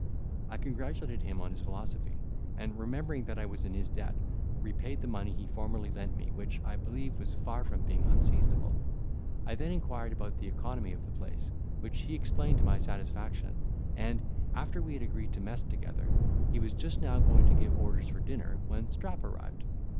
I congratulated him on his philosophy, and, remembering that I was in his debt, repaid the money he formerly lent me, which, I believe, was far from being unseasonable. I then inquired about the economy of the place, which he explained to my satisfaction; and, after we had agreed to mess together, he was just now going to give orders for dinner when Strap arrived.